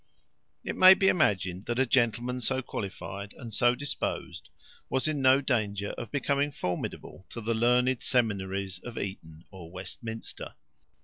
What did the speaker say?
It may be imagined that a gentleman so qualified and so disposed, was in no danger of becoming formidable to the learned seminaries of Eton or Westminster.